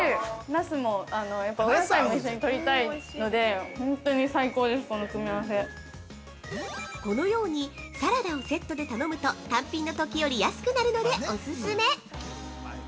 ナスも、やっぱりお野菜も一緒にとりたいので、本当に最高です、この組み合わせ◆このようにサラダをセットで頼むと、単品のときより安くなるのでオススメ！